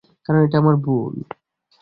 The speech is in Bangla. কারণ, এটা আমার ভুল!